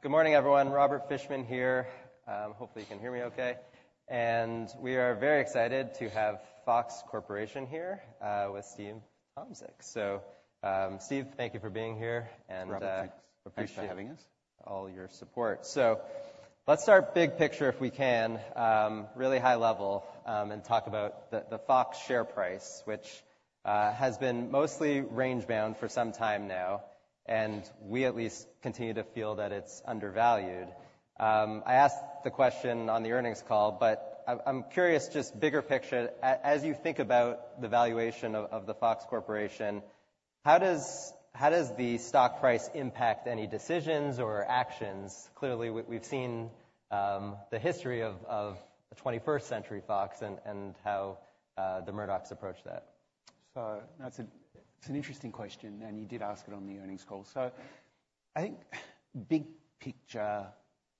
Good morning, everyone. Robert Fishman here. Hopefully you can hear me okay. We are very excited to have Fox Corporation here, with Steve Tomsic. So, Steve, thank you for being here, and, Robert, thanks. Appreciate having us. All your support. So let's start big picture if we can, really high level, and talk about the Fox share price, which has been mostly range bound for some time now, and we at least continue to feel that it's undervalued. I asked the question on the earnings call, but I'm curious just bigger picture. As you think about the valuation of the Fox Corporation, how does the stock price impact any decisions or actions? Clearly, we've seen the history of the 21st Century Fox and how the Murdochs approach that. So that's a, it's an interesting question, and you did ask it on the earnings call. So I think big picture,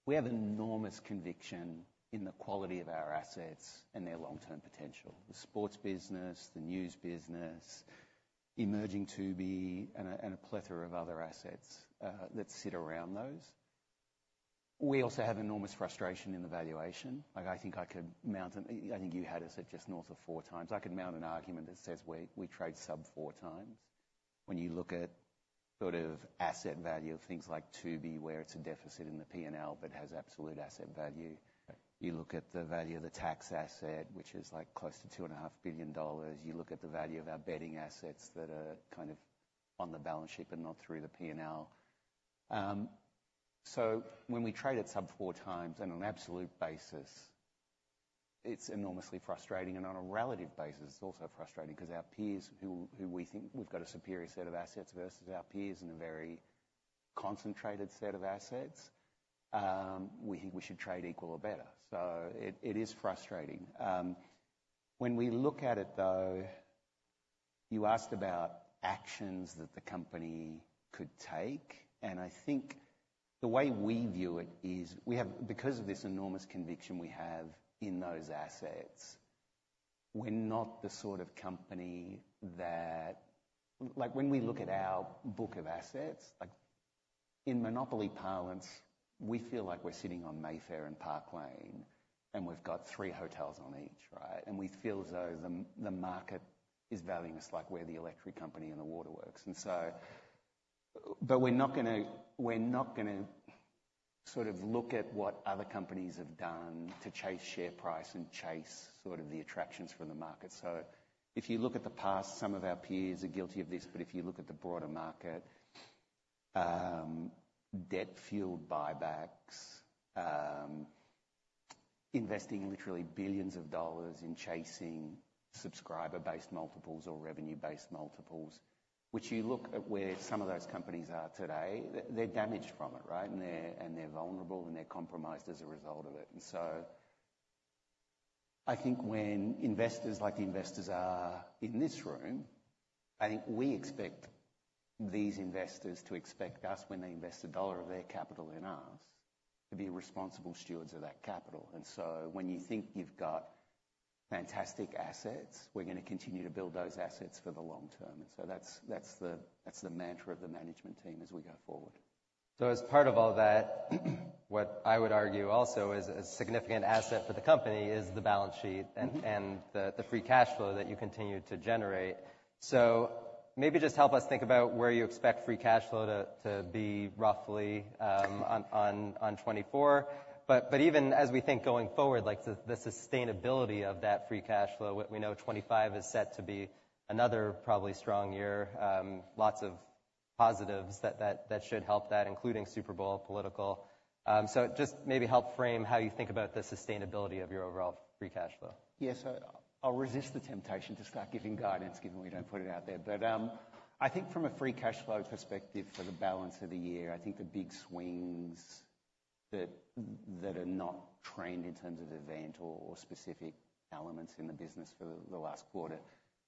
we have enormous conviction in the quality of our assets and their long-term potential: the sports business, the news business, emerging Tubi, and a, and a plethora of other assets, that sit around those. We also have enormous frustration in the valuation. Like, I think I could mount an I think you had us at just north of 4x. I could mount an argument that says we, we trade sub-4x. When you look at sort of asset value of things like Tubi, where it's a deficit in the P&L but has absolute asset value. Right. You look at the value of the tax asset, which is, like, close to $2.5 billion. You look at the value of our betting assets that are kind of on the balance sheet but not through the P&L. So when we trade at sub-4 times on an absolute basis, it's enormously frustrating. And on a relative basis, it's also frustrating 'cause our peers who, who we think we've got a superior set of assets versus our peers in a very concentrated set of assets, we think we should trade equal or better. So it, it is frustrating. When we look at it, though, you asked about actions that the company could take, and I think the way we view it is we have because of this enormous conviction we have in those assets, we're not the sort of company that like, when we look at our book of assets, like, in Monopoly parlance, we feel like we're sitting on Mayfair and Park Lane, and we've got three hotels on each, right? And we feel as though the, the market is valuing us like we're the Electric Company and the Water Works. And so but we're not gonna, we're not gonna sort of look at what other companies have done to chase share price and chase sort of the attractions from the market. So if you look at the past, some of our peers are guilty of this, but if you look at the broader market, debt-fueled buybacks, investing literally billions of dollars in chasing subscriber-based multiples or revenue-based multiples, which you look at where some of those companies are today, they're, they're damaged from it, right? And they're, and they're vulnerable, and they're compromised as a result of it. And so I think when investors like the investors are in this room, I think we expect these investors to expect us, when they invest $1 of their capital in us, to be responsible stewards of that capital. And so when you think you've got fantastic assets, we're gonna continue to build those assets for the long term. And so that's, that's the, that's the mantra of the management team as we go forward. As part of all that, what I would argue also is a significant asset for the company is the balance sheet. The free cash flow that you continue to generate. So maybe just help us think about where you expect free cash flow to be roughly on 2024. But even as we think going forward, like, the sustainability of that free cash flow, we know 2025 is set to be another probably strong year. Lots of positives that should help that, including Super Bowl political. So just maybe help frame how you think about the sustainability of your overall free cash flow. Yeah. So I'll resist the temptation to start giving guidance given we don't put it out there. But, I think from a free cash flow perspective for the balance of the year, I think the big swings that, that are not trended in terms of event or, or specific elements in the business for the, the last quarter,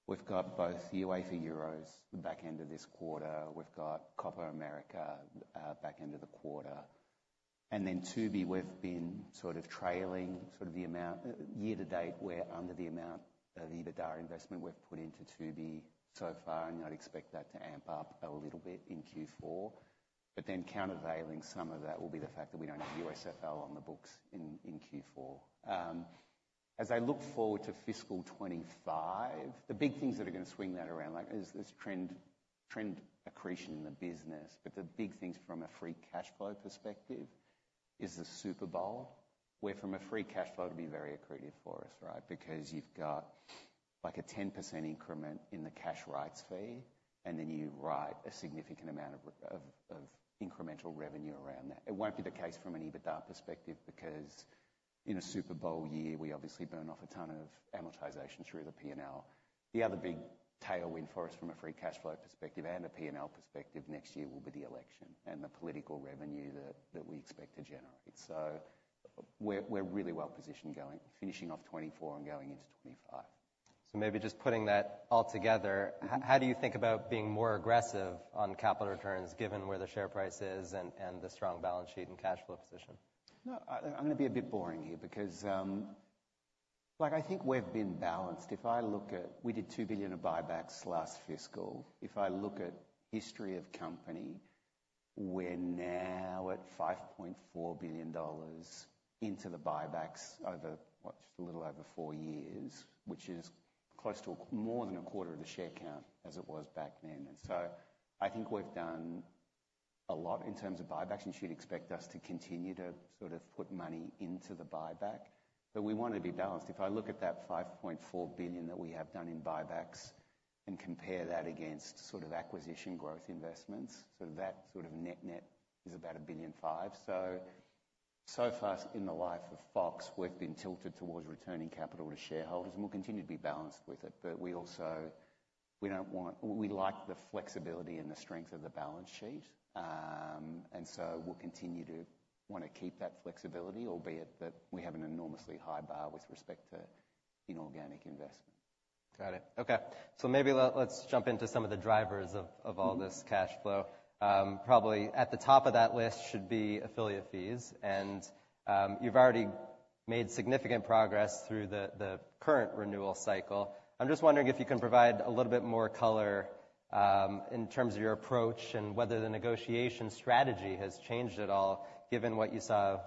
we've got both the UEFA Euros back end of this quarter. We've got Copa América, back end of the quarter. And then Tubi, we've been sort of trailing sort of the amount, year to date, we're under the amount of EBITDA investment we've put into Tubi so far, and I'd expect that to amp up a little bit in Q4. But then countervailing some of that will be the fact that we don't have USFL on the books in, in Q4. As I look forward to fiscal 2025, the big things that are gonna swing that around, like, there's trend accretion in the business. But the big things from a free cash flow perspective is the Super Bowl, where from a free cash flow it'd be very accretive for us, right? Because you've got, like, a 10% increment in the cash rights fee, and then you write a significant amount of incremental revenue around that. It won't be the case from an EBITDA perspective because in a Super Bowl year, we obviously burn off a ton of amortization through the P&L. The other big tailwind for us from a free cash flow perspective and a P&L perspective next year will be the election and the political revenue that we expect to generate. So we're really well positioned going finishing off 2024 and going into 2025. So maybe just putting that all together, how do you think about being more aggressive on capital returns given where the share price is and, and the strong balance sheet and cash flow position? No, I'm gonna be a bit boring here because, like, I think we've been balanced. If I look at, we did $2 billion of buybacks last fiscal. If I look at history of company, we're now at $5.4 billion into the buybacks over, what, just a little over four years, which is close to more than a quarter of the share count as it was back then. And so I think we've done a lot in terms of buybacks, and you should expect us to continue to sort of put money into the buyback. But we want to be balanced. If I look at that $5.4 billion that we have done in buybacks and compare that against sort of acquisition growth investments, so that sort of net-net is about $1.5 billion. So, so far in the life of Fox, we've been tilted towards returning capital to shareholders, and we'll continue to be balanced with it. But we also don't want. We like the flexibility and the strength of the balance sheet. And so we'll continue to wanna keep that flexibility, albeit that we have an enormously high bar with respect to inorganic investment. Got it. Okay. So maybe let's jump into some of the drivers of all this cash flow. Probably at the top of that list should be affiliate fees. And, you've already made significant progress through the current renewal cycle. I'm just wondering if you can provide a little bit more color, in terms of your approach and whether the negotiation strategy has changed at all given what you saw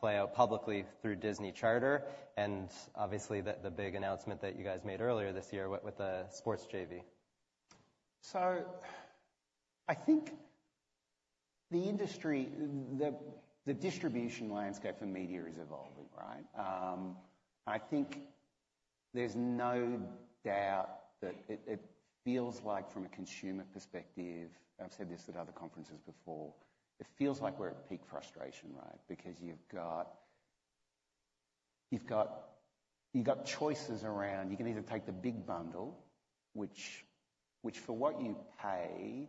play out publicly through Disney-Charter and, obviously, the big announcement that you guys made earlier this year with the sports JV. So I think the industry, the distribution landscape for media is evolving, right? I think there's no doubt that it feels like from a consumer perspective—I've said this at other conferences before—it feels like we're at peak frustration, right? Because you've got choices around you can either take the big bundle, which for what you pay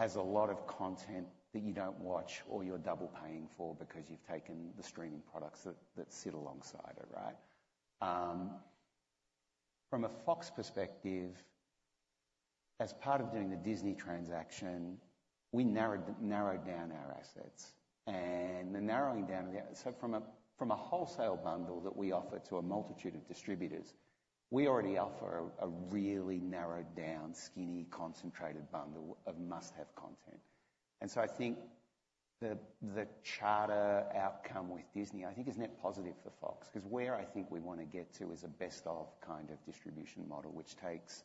has a lot of content that you don't watch or you're double paying for because you've taken the streaming products that sit alongside it, right? From a Fox perspective, as part of doing the Disney transaction, we narrowed down our assets. And the narrowing down, so from a wholesale bundle that we offer to a multitude of distributors, we already offer a really narrowed down, skinny, concentrated bundle of must-have content. And so I think the Charter outcome with Disney, I think, is net positive for Fox 'cause where I think we wanna get to is a best-of kind of distribution model, which takes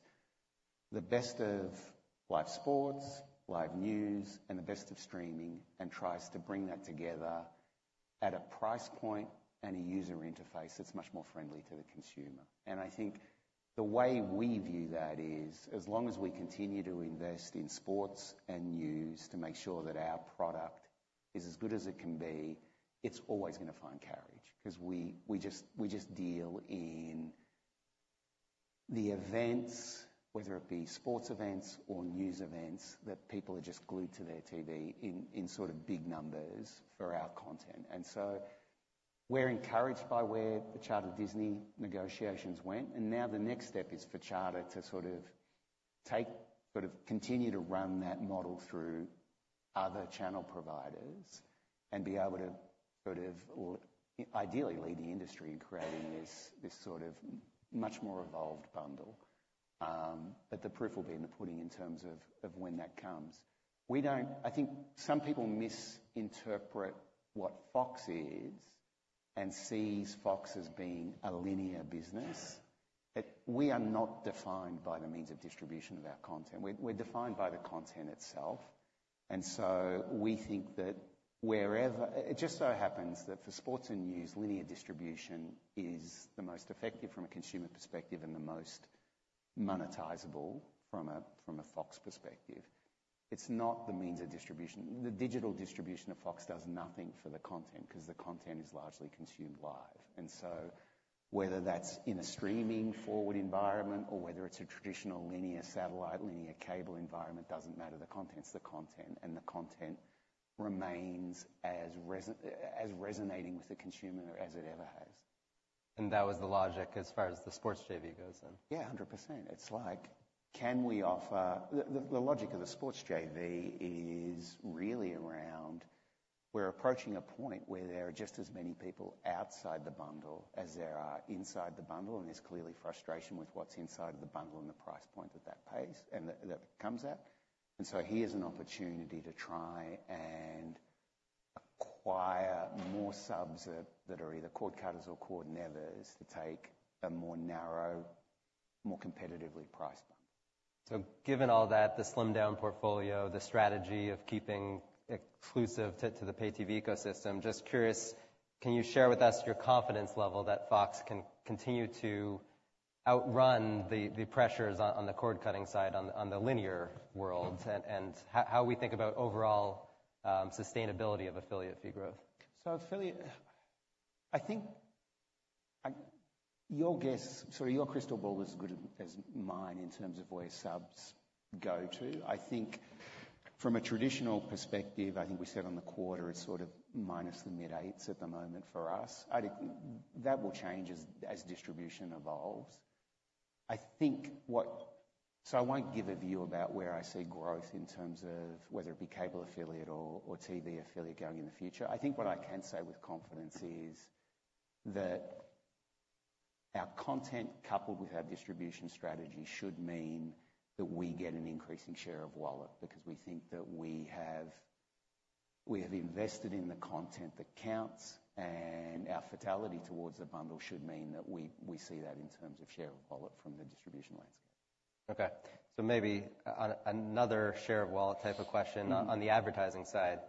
the best of live sports, live news, and the best of streaming, and tries to bring that together at a price point and a user interface that's much more friendly to the consumer. And I think the way we view that is as long as we continue to invest in sports and news to make sure that our product is as good as it can be, it's always gonna find carriage 'cause we just deal in the events, whether it be sports events or news events, that people are just glued to their TV in sort of big numbers for our content. And so we're encouraged by where the Charter Disney negotiations went. And now the next step is for Charter to sort of take sort of continue to run that model through other channel providers and be able to sort of ideally lead the industry in creating this, this sort of much more evolved bundle. But the proof will be in the putting in terms of, of when that comes. We don't, I think some people misinterpret what Fox is and sees Fox as being a linear business. We are not defined by the means of distribution of our content. We're, we're defined by the content itself. And so we think that wherever it just so happens that for sports and news, linear distribution is the most effective from a consumer perspective and the most monetizable from a, from a Fox perspective. It's not the means of distribution. The digital distribution of Fox does nothing for the content 'cause the content is largely consumed live. And so whether that's in a streaming-forward environment or whether it's a traditional linear satellite, linear cable environment, doesn't matter. The content's the content. And the content remains resonating with the consumer as it ever has. That was the logic as far as the sports JV goes in? Yeah. 100%. It's like, can we offer the logic of the sports JV is really around we're approaching a point where there are just as many people outside the bundle as there are inside the bundle. And there's clearly frustration with what's inside of the bundle and the price point that that pays and that comes at. And so here's an opportunity to try and acquire more subs that are either cord cutters or cord nevers to take a more narrow, more competitively priced bundle. So given all that, the slimmed-down portfolio, the strategy of keeping exclusive to the pay-TV ecosystem, just curious, can you share with us your confidence level that Fox can continue to outrun the pressures on the cord cutting side on the linear world? And how we think about overall sustainability of affiliate fee growth? Affiliate, I think your guess, sorry, your crystal ball is as good as mine in terms of where subs go to. I think from a traditional perspective, we sit on the quarter. It's sort of minus the mid-8s at the moment for us. I think that will change as distribution evolves. I won't give a view about where I see growth in terms of whether it be cable affiliate or TV affiliate going in the future. What I can say with confidence is that our content, coupled with our distribution strategy, should mean that we get an increasing share of wallet because we think that we have invested in the content that counts. Our fidelity towards the bundle should mean that we see that in terms of share of wallet from the distribution landscape. Okay. So maybe another share of wallet type of question. On the advertising side.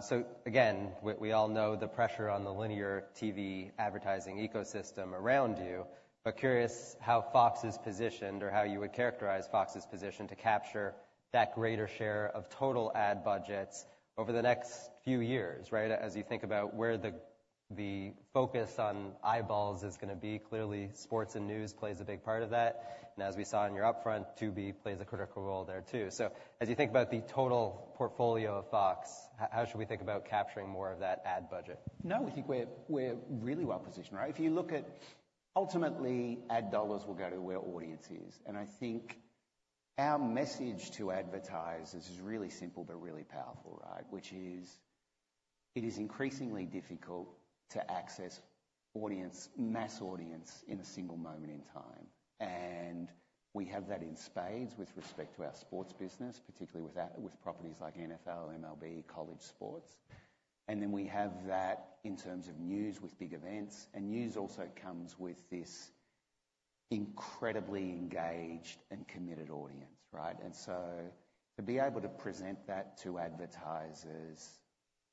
So again, we all know the pressure on the linear TV advertising ecosystem around you. But curious how Fox is positioned or how you would characterize Fox's position to capture that greater share of total ad budgets over the next few years, right, as you think about where the focus on eyeballs is gonna be. Clearly, sports and news plays a big part of that. And as we saw in your Upfront, Tubi plays a critical role there too. So as you think about the total portfolio of Fox, how should we think about capturing more of that ad budget? No, we think we're really well positioned, right? If you look at ultimately, ad dollars will go to where audience is. And I think our message to advertisers is really simple but really powerful, right, which is it is increasingly difficult to access audience, mass audience, in a single moment in time. And we have that in spades with respect to our sports business, particularly with properties like NFL, MLB, college sports. And then we have that in terms of news with big events. And news also comes with this incredibly engaged and committed audience, right? And so to be able to present that to advertisers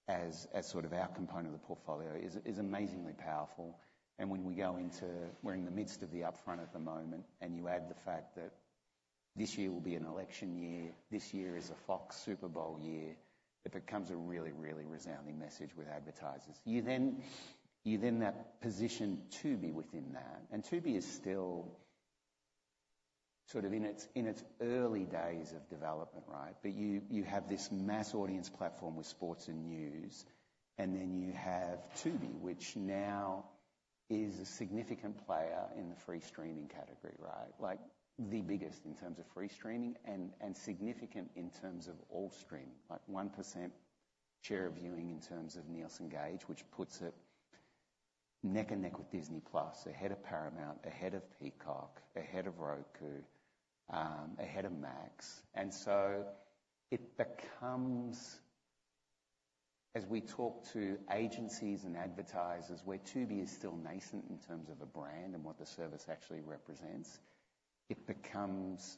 as, as sort of our component of the portfolio is, is amazingly powerful. When we go into, we're in the midst of the upfront at the moment, and you add the fact that this year will be an election year, this year is a Fox Super Bowl year, it becomes a really, really resounding message with advertisers. You then you then that position Tubi within that. And Tubi is still sort of in its, in its early days of development, right? But you, you have this mass audience platform with sports and news. And then you have Tubi, which now is a significant player in the free streaming category, right, like, the biggest in terms of free streaming and, and significant in terms of all streaming, like, 1% share of viewing in terms of Nielsen Gauge, which puts it neck and neck with Disney+, ahead of Paramount, ahead of Peacock, ahead of Roku, ahead of Max. So it becomes as we talk to agencies and advertisers where Tubi is still nascent in terms of a brand and what the service actually represents, it becomes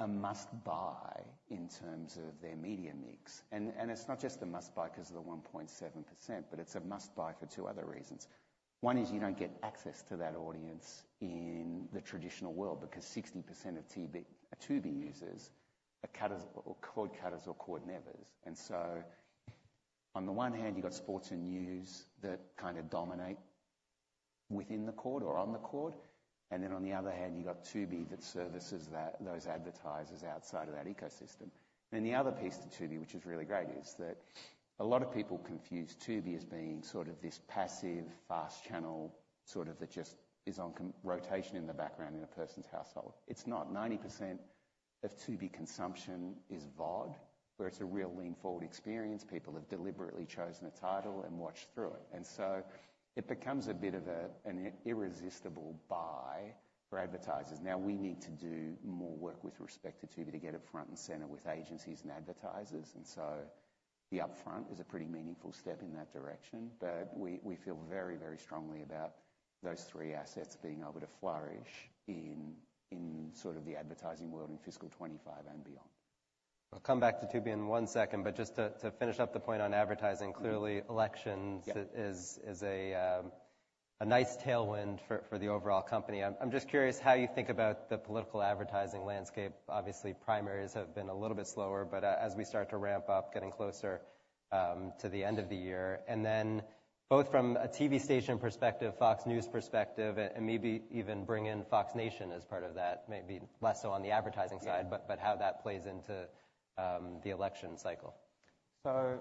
a must-buy in terms of their media mix. And it's not just a must-buy 'cause of the 1.7%, but it's a must-buy for two other reasons. One is you don't get access to that audience in the traditional world because 60% of Tubi users are cord cutters or cord nevers. And so on the one hand, you've got sports and news that kinda dominate within the cord or on the cord. And then on the other hand, you've got Tubi that services those advertisers outside of that ecosystem. And then the other piece to Tubi, which is really great, is that a lot of people confuse Tubi as being sort of this passive, FAST channel sort of that just is on constant rotation in the background in a person's household. It's not. 90% of Tubi consumption is VOD, where it's a real lean-forward experience. People have deliberately chosen a title and watched through it. And so it becomes a bit of an irresistible buy for advertisers. Now, we need to do more work with respect to Tubi to get it front and center with agencies and advertisers. And so the upfront is a pretty meaningful step in that direction. But we feel very, very strongly about those three assets being able to flourish in sort of the advertising world in fiscal 2025 and beyond. I'll come back to Tubi in one second. But just to finish up the point on advertising, clearly, elections. Yes. It is a nice tailwind for the overall company. I'm just curious how you think about the political advertising landscape. Obviously, primaries have been a little bit slower. But as we start to ramp up, getting closer to the end of the year and then both from a TV station perspective, Fox News perspective, and maybe even bring in Fox Nation as part of that, maybe less so on the advertising side. But how that plays into the election cycle. So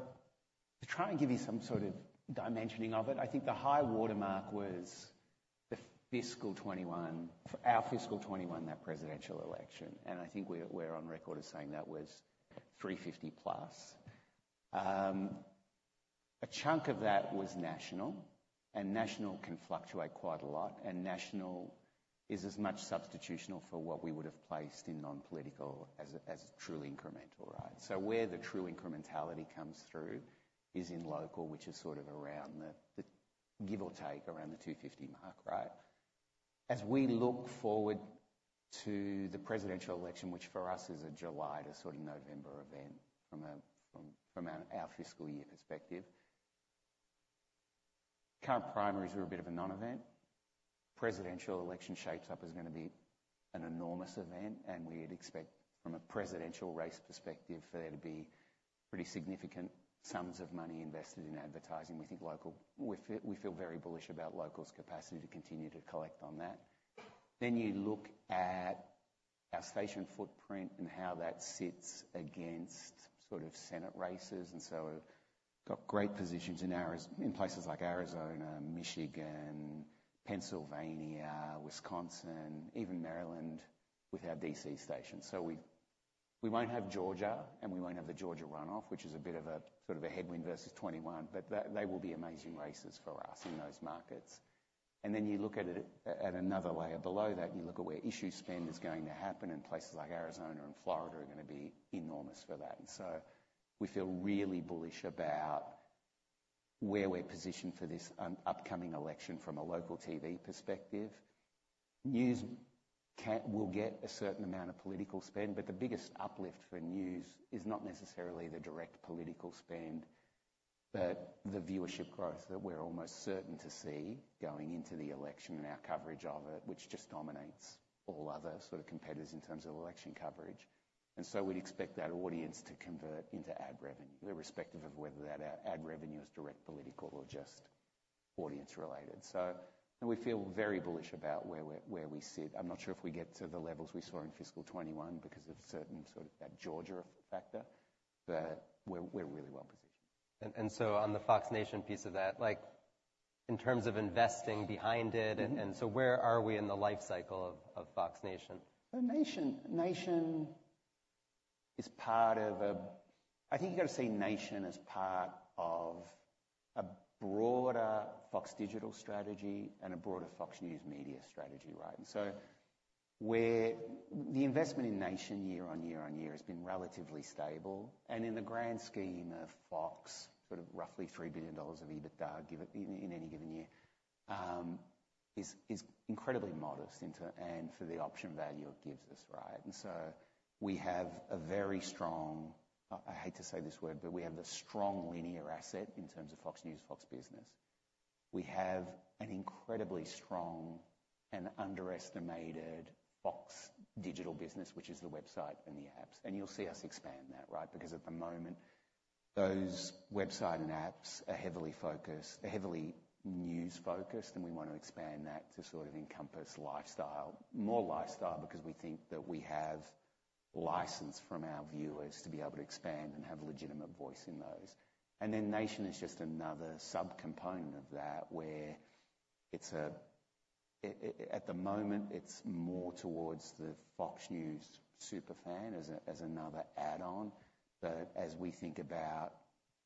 to try and give you some sort of dimensioning of it, I think the high watermark was the fiscal 2021, our fiscal 2021, that presidential election. I think we're, we're on record as saying that was 350+. A chunk of that was national. National can fluctuate quite a lot. National is as much substitutional for what we would have placed in non-political as true incremental, right? So where the true incrementality comes through is in local, which is sort of around the give or take around the 250 mark, right? As we look forward to the presidential election, which for us is a July to sort of November event from our fiscal year perspective, current primaries are a bit of a non-event. Presidential election shapes up as gonna be an enormous event. We'd expect from a presidential race perspective for there to be pretty significant sums of money invested in advertising. We think local we feel very bullish about local's capacity to continue to collect on that. Then you look at our station footprint and how that sits against sort of Senate races. And so got great positions in places like Arizona, Michigan, Pennsylvania, Wisconsin, even Maryland with our D.C. station. So we won't have Georgia. And we won't have the Georgia runoff, which is a bit of a sort of a headwind versus 2021. But they will be amazing races for us in those markets. And then you look at it at another layer below that, and you look at where issue spend is going to happen. And places like Arizona and Florida are gonna be enormous for that. We feel really bullish about where we're positioned for this upcoming election from a local TV perspective. News will get a certain amount of political spend. But the biggest uplift for news is not necessarily the direct political spend, but the viewership growth that we're almost certain to see going into the election and our coverage of it, which just dominates all other sort of competitors in terms of election coverage. And so we'd expect that audience to convert into ad revenue irrespective of whether that ad revenue is direct political or just audience-related. So we feel very bullish about where we sit. I'm not sure if we get to the levels we saw in fiscal 2021 because of that Georgia factor. But we're really well positioned. And so on the Fox Nation piece of that, like, in terms of investing behind it. Where are we in the life cycle of Fox Nation? So, Nation, Nation is part of a—I think you gotta say Nation as part of a broader Fox Digital strategy and a broader Fox News Media strategy, right? And so where the investment in Nation year-on-year has been relatively stable. And in the grand scheme of Fox, sort of roughly $3 billion of EBITDA given in any given year is incredibly modest in terms of the option value it gives us, right? And so we have a very strong—I hate to say this word, but we have the strong linear asset in terms of Fox News, Fox Business. We have an incredibly strong and underestimated Fox Digital business, which is the website and the apps. And you'll see us expand that, right, because at the moment, those website and apps are heavily focused, heavily news-focused. We wanna expand that to sort of encompass lifestyle, more lifestyle because we think that we have license from our viewers to be able to expand and have legitimate voice in those. Then Fox Nation is just another subcomponent of that where it's at the moment, it's more towards the Fox News superfan as another add-on. But as we think about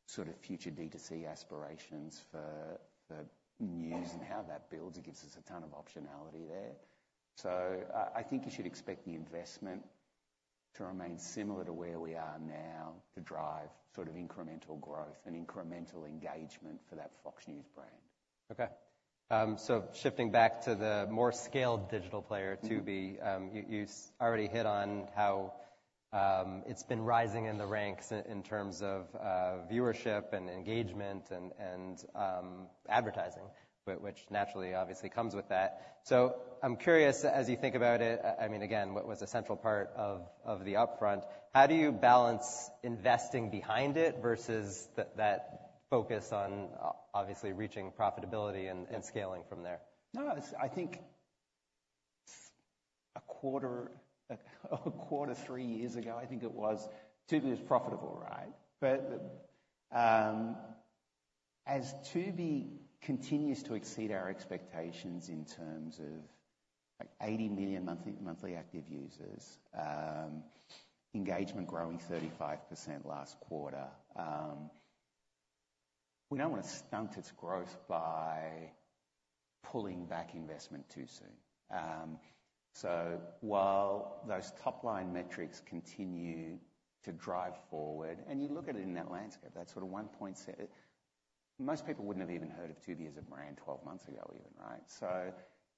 sort of future DTC aspirations for news and how that builds, it gives us a ton of optionality there. So I think you should expect the investment to remain similar to where we are now to drive sort of incremental growth and incremental engagement for that Fox News brand. Okay, so shifting back to the more scaled digital player, Tubi. You've already hit on how it's been rising in the ranks in terms of viewership and engagement and advertising, which naturally, obviously, comes with that. So I'm curious, as you think about it, I mean, again, what was a central part of the upfront, how do you balance investing behind it versus that focus on obviously reaching profitability and scaling from there? No, it's, I think, a quarter, a quarter three years ago, I think it was Tubi was profitable, right? But as Tubi continues to exceed our expectations in terms of, like, 80 million monthly active users, engagement growing 35% last quarter, we don't wanna stunt its growth by pulling back investment too soon. So while those top-line metrics continue to drive forward and you look at it in that landscape, that sort of 1.7 most people wouldn't have even heard of Tubi as a brand 12 months ago even, right? So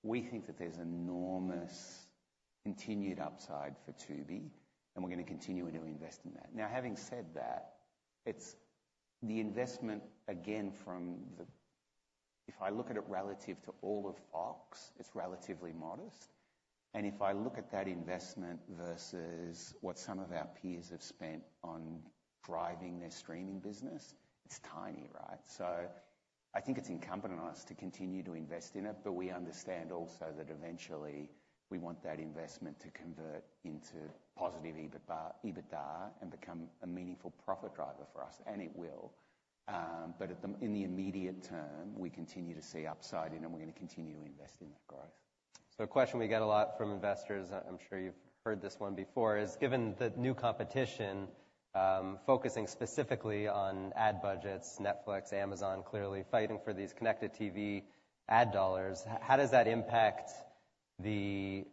we think that there's enormous continued upside for Tubi. And we're gonna continue to invest in that. Now, having said that, it's the investment, again, from the if I look at it relative to all of Fox, it's relatively modest. If I look at that investment versus what some of our peers have spent on driving their streaming business, it's tiny, right? So I think it's incumbent on us to continue to invest in it. But we understand also that eventually, we want that investment to convert into positive EBITDA and become a meaningful profit driver for us. And it will. But in the immediate term, we continue to see upside in it. And we're gonna continue to invest in that growth. So a question we get a lot from investors (I'm sure you've heard this one before) is given the new competition, focusing specifically on ad budgets, Netflix, Amazon clearly fighting for these connected TV ad dollars, how does that impact the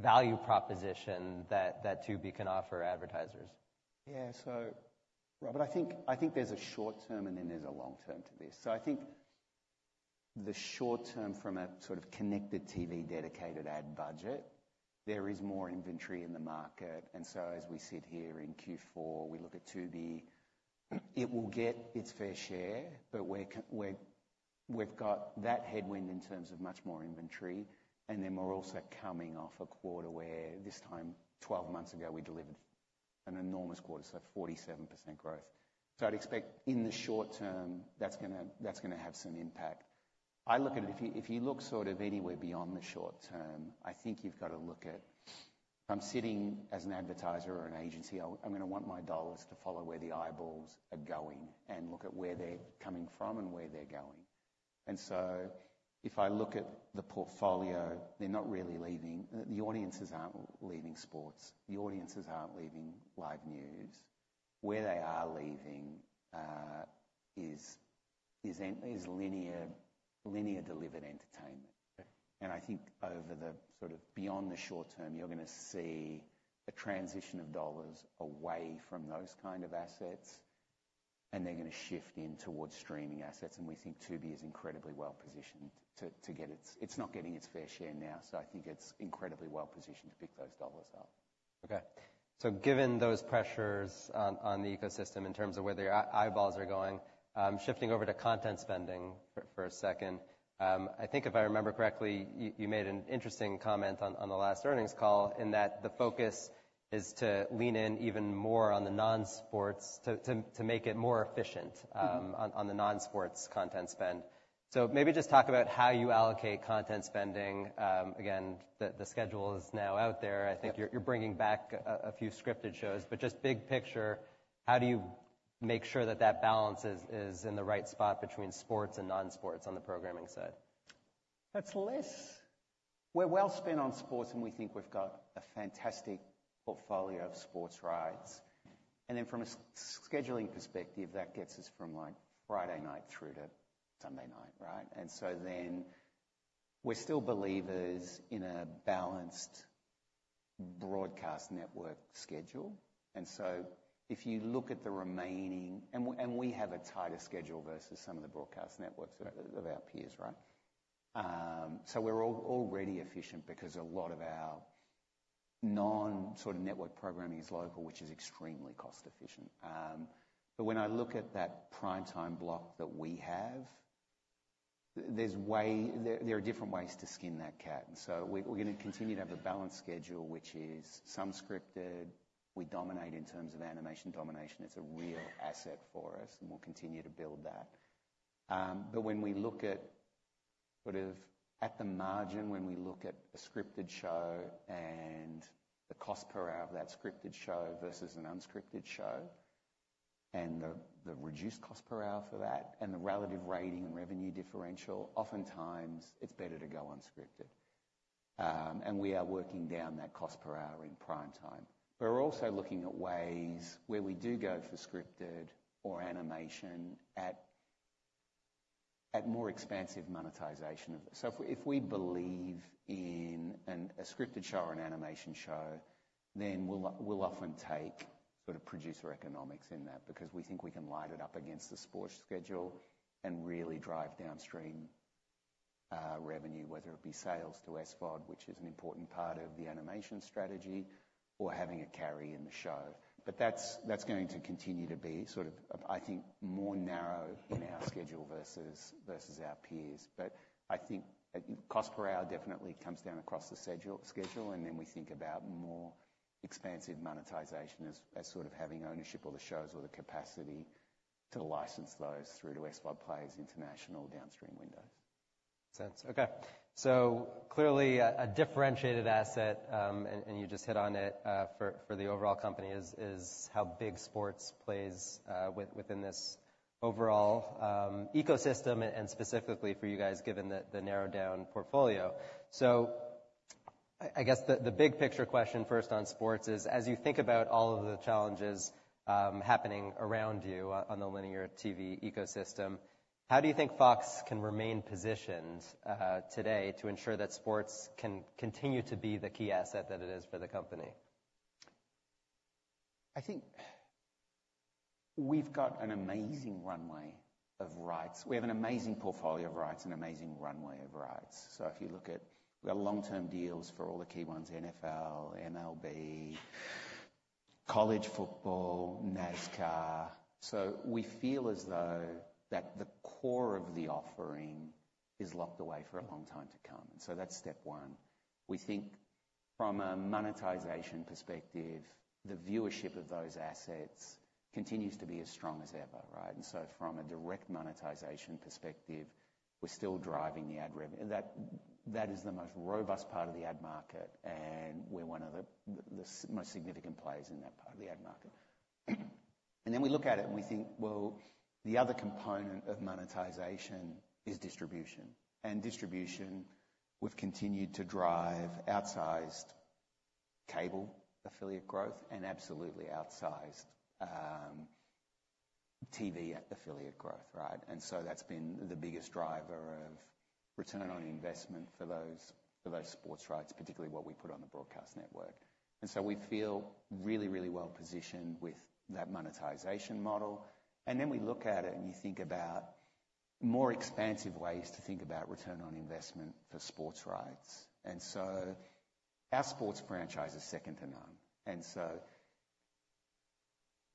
value proposition that, that Tubi can offer advertisers? Yeah. So, Robert, I think I think there's a short-term and then there's a long-term to this. So I think the short-term from a sort of connected TV dedicated ad budget, there is more inventory in the market. And so as we sit here in Q4, we look at Tubi, it will get its fair share. But we're, we're, we've got that headwind in terms of much more inventory. And then we're also coming off a quarter where this time, 12 months ago, we delivered an enormous quarter, so 47% growth. So I'd expect in the short-term, that's gonna that's gonna have some impact. I look at it if you look sort of anywhere beyond the short-term. I think you've gotta look at if I'm sitting as an advertiser or an agency, I'm gonna want my dollars to follow where the eyeballs are going and look at where they're coming from and where they're going. And so if I look at the portfolio, they're not really leaving. The audiences aren't leaving sports. The audiences aren't leaving live news. Where they are leaving is linear, linear delivered entertainment. Okay. And I think over the sort of beyond the short-term, you're gonna see a transition of dollars away from those kind of assets. And they're gonna shift in towards streaming assets. And we think Tubi is incredibly well positioned to get its—it's not getting its fair share now. So I think it's incredibly well positioned to pick those dollars up. Okay. So given those pressures on the ecosystem in terms of where their eyeballs are going, shifting over to content spending for a second, I think if I remember correctly, you made an interesting comment on the last earnings call in that the focus is to lean in even more on the non-sports to make it more efficient, on the non-sports content spend. So maybe just talk about how you allocate content spending. Again, the schedule is now out there. I think you're bringing back a few scripted shows. But just big picture, how do you make sure that balance is in the right spot between sports and non-sports on the programming side? That's less well spent on sports. And we think we've got a fantastic portfolio of sports rights. And then from a scheduling perspective, that gets us from, like, Friday night through to Sunday night, right? And so then we're still believers in a balanced broadcast network schedule. And so if you look at the remaining, and we have a tighter schedule versus some of the broadcast networks of our peers, right? So we're already efficient because a lot of our non-network programming is local, which is extremely cost-efficient. But when I look at that primetime block that we have, there are different ways to skin that cat. And so we're gonna continue to have a balanced schedule, which is some scripted. We dominate in terms of Animation Domination. It's a real asset for us. And we'll continue to build that. But when we look sort of at the margin, when we look at a scripted show and the cost per hour of that scripted show versus an unscripted show and the reduced cost per hour for that and the relative rating and revenue differential, oftentimes, it's better to go unscripted. We are working down that cost per hour in primetime. But we're also looking at ways where we do go for scripted or animation at more expansive monetization. So if we believe in a scripted show or an animation show, then we'll often take sort of producer economics in that because we think we can light it up against the sports schedule and really drive downstream revenue, whether it be sales to SVOD, which is an important part of the animation strategy, or having a carry in the show. But that's going to continue to be sort of a I think more narrow in our schedule versus our peers. But I think, cost per hour definitely comes down across the schedule. And then we think about more expansive monetization as sort of having ownership of the shows or the capacity to license those through to SVOD plays' international downstream windows. Makes sense. Okay. So clearly, a differentiated asset, and you just hit on it, for the overall company is how big sports plays within this overall ecosystem and specifically for you guys given the narrowed-down portfolio. So I guess the big picture question first on sports is, as you think about all of the challenges happening around you on the linear TV ecosystem, how do you think Fox can remain positioned today to ensure that sports can continue to be the key asset that it is for the company? I think we've got an amazing runway of rights. We have an amazing portfolio of rights and amazing runway of rights. So if you look at, we got long-term deals for all the key ones: NFL, MLB, college football, NASCAR. So we feel as though that the core of the offering is locked away for a long time to come. And so that's step one. We think from a monetization perspective, the viewership of those assets continues to be as strong as ever, right? And so from a direct monetization perspective, we're still driving the ad revenue. That, that is the most robust part of the ad market. And we're one of the most significant players in that part of the ad market. And then we look at it. And we think, well, the other component of monetization is distribution. Distribution, we've continued to drive outsized cable affiliate growth and absolutely outsized TV affiliate growth, right? So that's been the biggest driver of return on investment for those sports rights, particularly what we put on the broadcast network. So we feel really, really well positioned with that monetization model. Then we look at it. You think about more expansive ways to think about return on investment for sports rights. So our sports franchise is second to none. So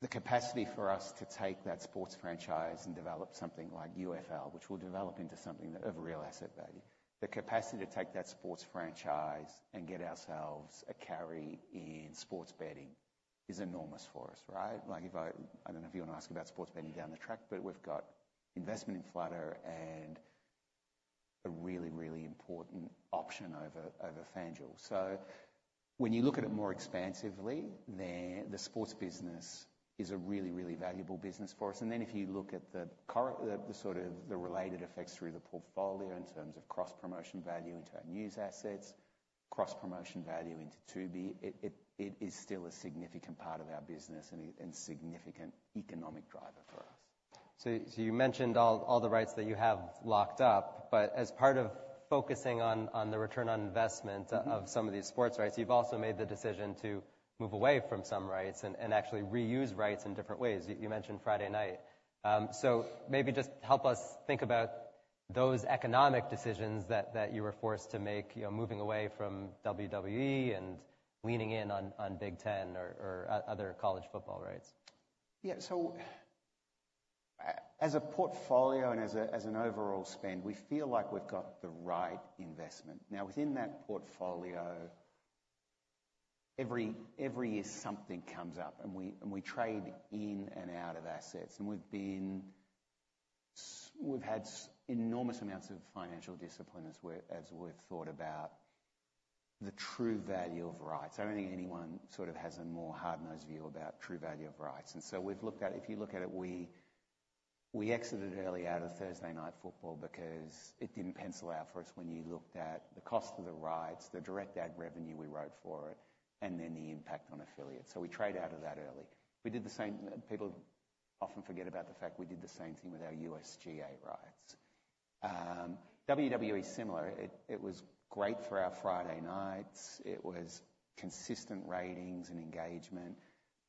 the capacity for us to take that sports franchise and develop something like UFL, which will develop into something that of real asset value, the capacity to take that sports franchise and get ourselves a carry in sports betting is enormous for us, right? Like, if I don't know if you wanna ask about sports betting down the track. But we've got investment in Flutter and a really, really important option over FanDuel. So when you look at it more expansively, then the sports business is a really, really valuable business for us. And then if you look at the sort of related effects through the portfolio in terms of cross-promotion value into our news assets, cross-promotion value into Tubi, it is still a significant part of our business and a significant economic driver for us. So you mentioned all the rights that you have locked up. But as part of focusing on the return on investment. Of some of these sports rights, you've also made the decision to move away from some rights and actually reuse rights in different ways. You mentioned Friday night. So maybe just help us think about those economic decisions that you were forced to make, you know, moving away from WWE and leaning in on Big Ten or other college football rights. Yeah. So as a portfolio and as an overall spend, we feel like we've got the right investment. Now, within that portfolio, every year, something comes up. And we trade in and out of assets. And we've had enormous amounts of financial discipline as we've thought about the true value of rights. I don't think anyone sort of has a more hard-nosed view about true value of rights. And so we've looked at it; if you look at it, we exited early out of Thursday Night Football because it didn't pencil out for us when you looked at the cost of the rights, the direct ad revenue we wrote for it, and then the impact on affiliates. So we trade out of that early. We did the same. People often forget about the fact we did the same thing with our USGA rights. WWE is similar. It was great for our Friday nights. It was consistent ratings and engagement.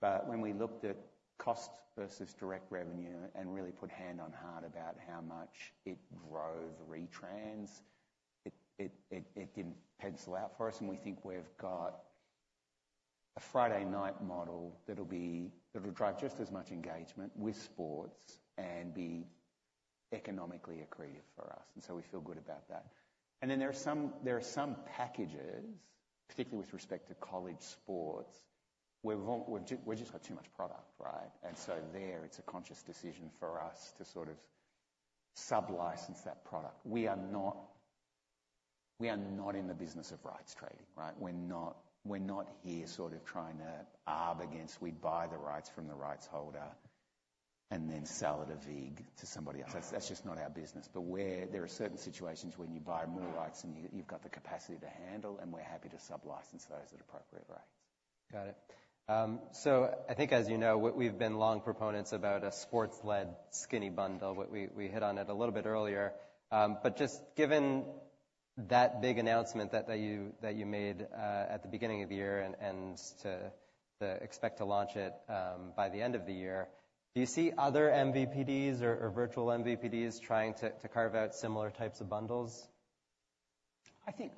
But when we looked at cost versus direct revenue and really put hand on heart about how much it drove retrans, it didn't pencil out for us. And we think we've got a Friday night model that'll drive just as much engagement with sports and be economically accretive for us. And so we feel good about that. And then there are some packages, particularly with respect to college sports, where we've just got too much product, right? And so there, it's a conscious decision for us to sort of sublicense that product. We are not we are not in the business of rights trading, right? We're not we're not here sort of trying to arb against we buy the rights from the rights holder and then sell it a vig to somebody else. That's, that's just not our business. But we're there are certain situations when you buy more rights than you you've got the capacity to handle. And we're happy to sublicense those at appropriate rates. Got it. So I think, as you know, we've been long proponents about a sports-led skinny bundle. But we hit on it a little bit earlier. But just given that big announcement that you made, at the beginning of the year and we expect to launch it, by the end of the year, do you see other MVPDs or virtual MVPDs trying to carve out similar types of bundles? I think,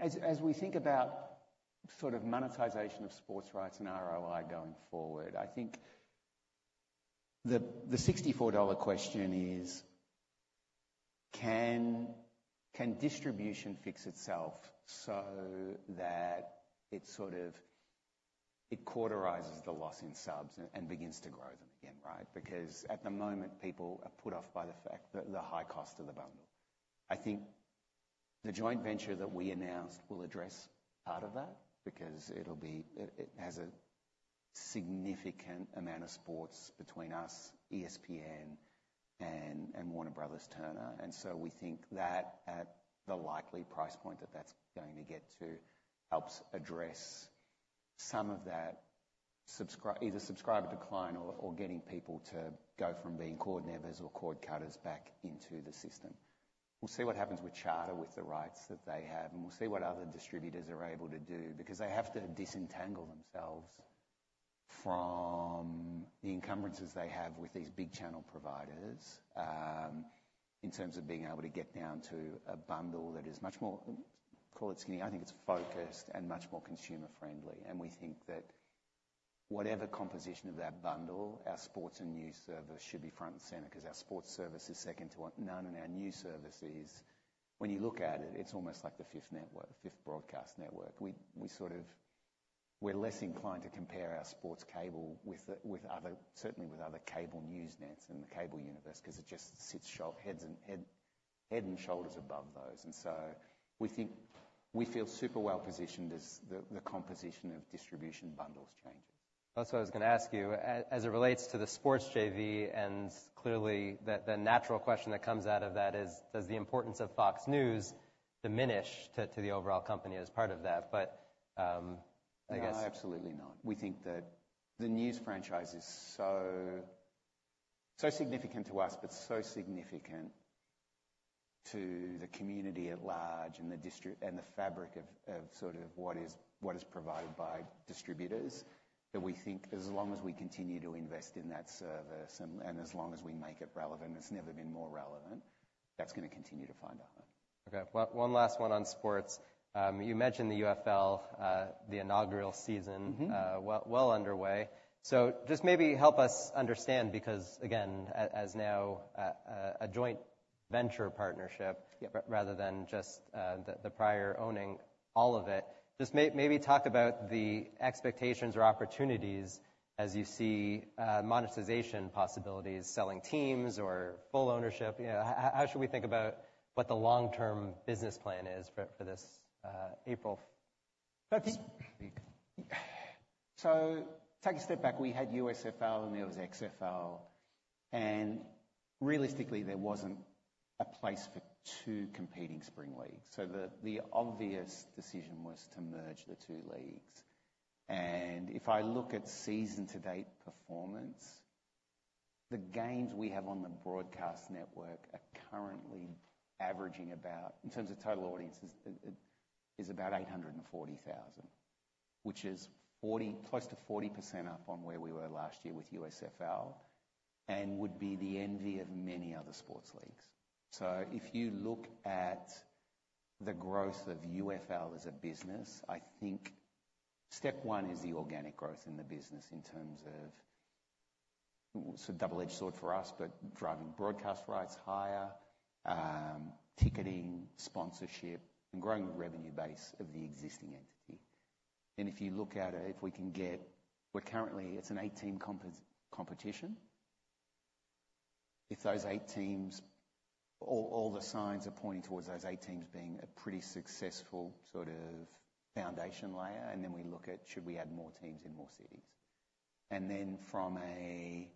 as we think about sort of monetization of sports rights and ROI going forward, I think the $64 question is, can distribution fix itself so that it sort of counters the loss in subs and begins to grow them again, right? Because at the moment, people are put off by the fact the high cost of the bundle. I think the joint venture that we announced will address part of that because it'll be, it has a significant amount of sports between us, ESPN, and Warner Bros. Discovery. And so we think that at the likely price point that that's going to get to helps address some of that either subscriber decline or getting people to go from being cord nevers or cord cutters back into the system. We'll see what happens with Charter with the rights that they have. We'll see what other distributors are able to do because they have to disentangle themselves from the encumbrances they have with these big channel providers, in terms of being able to get down to a bundle that is much more, call it, skinny. I think it's focused and much more consumer-friendly. We think that whatever composition of that bundle, our sports and news service should be front and center 'cause our sports service is second to none of our news services. When you look at it, it's almost like the fifth network, fifth broadcast network. We, we sort of we're less inclined to compare our sports cable with the, with other certainly with other cable news nets and the cable universe 'cause it just sits head and shoulders above those. We think we feel super well positioned as the composition of distribution bundles changes. That's what I was gonna ask you. As it relates to the sports JV, and clearly, the natural question that comes out of that is, does the importance of Fox News diminish to the overall company as part of that? But, I guess. No, absolutely not. We think that the news franchise is so, so significant to us but so significant to the community at large and the distribution and the fabric of sort of what is provided by distributors that we think as long as we continue to invest in that service and as long as we make it relevant, it's never been more relevant, that's gonna continue to find a home. Okay. Well, one last one on sports. You mentioned the UFL, the inaugural season. Well underway. So just maybe help us understand because, again, as now a joint venture partnership. Yep. Rather than just the prior owning all of it, just maybe talk about the expectations or opportunities as you see, monetization possibilities, selling teams or full ownership. You know, how should we think about what the long-term business plan is for this, April 15th week? So take a step back. We had USFL. And there was XFL. And realistically, there wasn't a place for two competing spring leagues. So the obvious decision was to merge the two leagues. And if I look at season-to-date performance, the games we have on the broadcast network are currently averaging about in terms of total audiences, it is about 840,000, which is 40 close to 40% up on where we were last year with USFL and would be the envy of many other sports leagues. So if you look at the growth of UFL as a business, I think step one is the organic growth in the business in terms of so double-edged sword for us but driving broadcast rights higher, ticketing, sponsorship, and growing the revenue base of the existing entity. If you look at it, if we can get we're currently it's an 8-team competition. If those 8 teams all, all the signs are pointing towards those 8 teams being a pretty successful sort of foundation layer. And then we look at should we add more teams in more cities? And then from a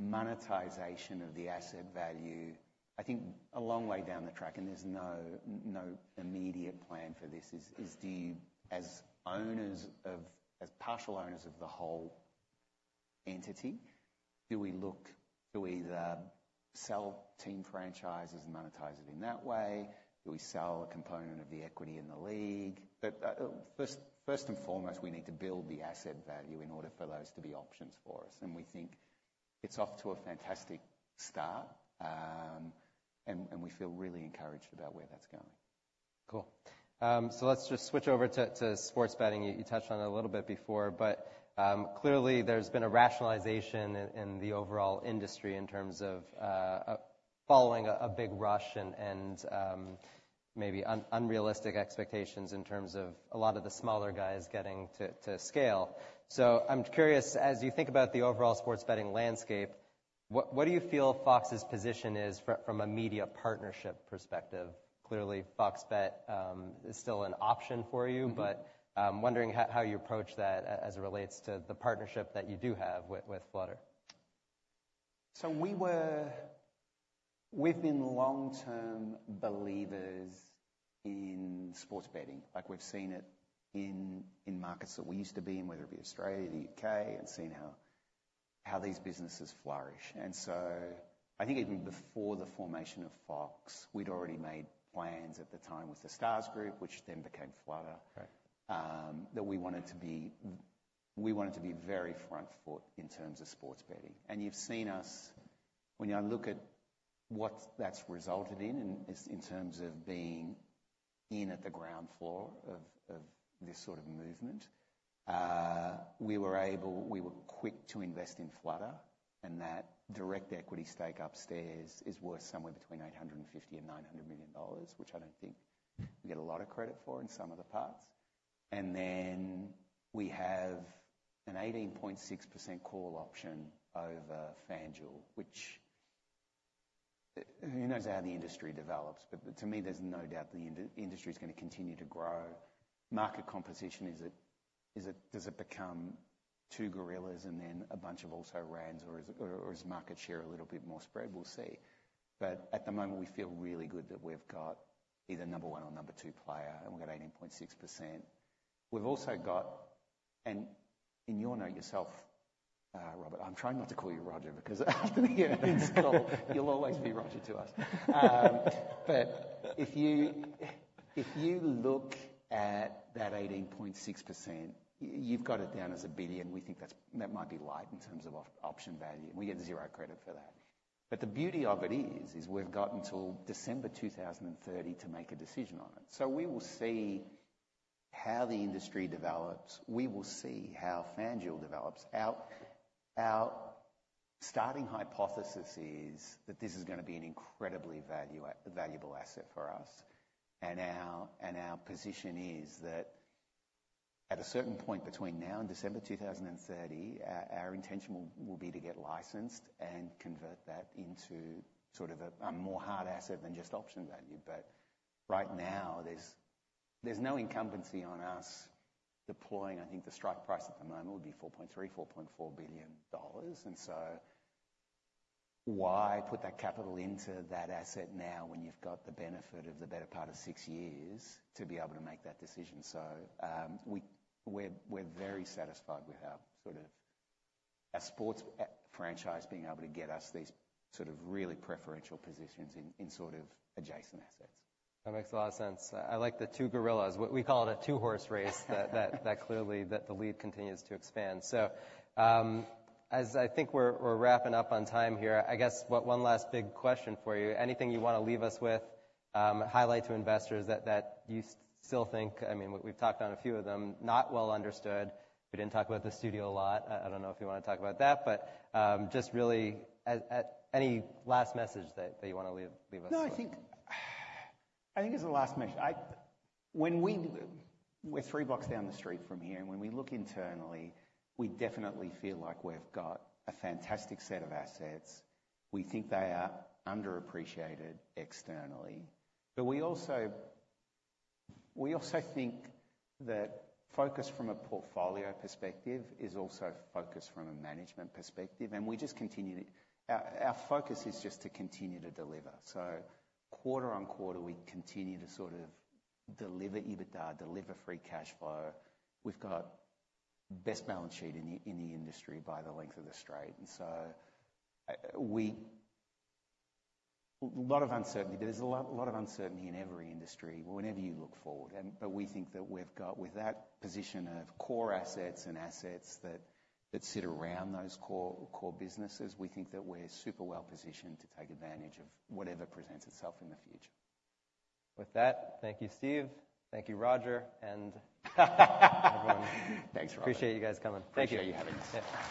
monetization of the asset value, I think a long way down the track and there's no, no immediate plan for this is, is do you as owners of as partial owners of the whole entity, do we look to either sell team franchises and monetize it in that way? Do we sell a component of the equity in the league? But, first, first and foremost, we need to build the asset value in order for those to be options for us. And we think it's off to a fantastic start. and we feel really encouraged about where that's going. Cool. So let's just switch over to sports betting. You touched on it a little bit before. But clearly, there's been a rationalization in the overall industry in terms of following a big rush and maybe unrealistic expectations in terms of a lot of the smaller guys getting to scale. So I'm curious, as you think about the overall sports betting landscape, what do you feel Fox's position is from a media partnership perspective? Clearly, Fox Bet is still an option for you. Wondering how you approach that as it relates to the partnership that you do have with Flutter. So we've been long-term believers in sports betting. Like, we've seen it in markets that we used to be in, whether it be Australia or the UK and seen how these businesses flourish. And so I think even before the formation of Fox, we'd already made plans at the time with the Stars Group, which then became Flutter. Right. that we wanted to be very front foot in terms of sports betting. And you've seen us when you look at what that's resulted in and in terms of being in at the ground floor of this sort of movement, we were quick to invest in Flutter. And that direct equity stake upside is worth somewhere between $850 million-$900 million, which I don't think we get a lot of credit for in some of the parts. And then we have an 18.6% call option over FanDuel, which, who knows how the industry develops. But to me, there's no doubt the industry's gonna continue to grow. Market composition is, does it become two gorillas and then a bunch of also rans? Or is it, or is market share a little bit more spread? We'll see. At the moment, we feel really good that we've got either number one or number two player. We've got 18.6%. We've also got, and in your note yourself, Robert, I'm trying not to call you Robert because after the Airbnb call, you'll always be Robert to us. But if you look at that 18.6%, you've got it down as $1 billion. We think that might be light in terms of option value. And we get zero credit for that. But the beauty of it is, we've got until December 2030 to make a decision on it. So we will see how the industry develops. We will see how FanDuel develops. Our starting hypothesis is that this is gonna be an incredibly valuable asset for us. And our position is that at a certain point between now and December 2030, our intention will be to get licensed and convert that into sort of a more hard asset than just option value. But right now, there's no incumbency on us deploying. I think the strike price at the moment would be $4.3-$4.4 billion. And so why put that capital into that asset now when you've got the benefit of the better part of six years to be able to make that decision? So, we're very satisfied with our sports franchise being able to get us these sort of really preferential positions in sort of adjacent assets. That makes a lot of sense. I like the two gorillas. We call it a two-horse race that clearly the lead continues to expand. So, as I think we're wrapping up on time here, I guess what one last big question for you. Anything you wanna leave us with, highlight to investors that you still think I mean, we've talked on a few of them, not well understood. We didn't talk about the studio a lot. I don't know if you wanna talk about that. But just really at any last message that you wanna leave us with. No, I think as a last message, when we're three blocks down the street from here. And when we look internally, we definitely feel like we've got a fantastic set of assets. We think they are underappreciated externally. But we also think that focus from a portfolio perspective is also focus from a management perspective. And our focus is just to continue to deliver. So quarter-on-quarter, we continue to sort of deliver EBITDA, deliver free cash flow. We've got best balance sheet in the industry by the length of the street. And so a lot of uncertainty. But there's a lot of uncertainty in every industry whenever you look forward. We think that we've got, with that position of core assets and assets that sit around those core businesses, we think that we're super well positioned to take advantage of whatever presents itself in the future. With that, thank you, Steve. Thank you, Robert. And everyone. Thanks, Robert. Appreciate you guys coming. Thank you. Thank you for having us.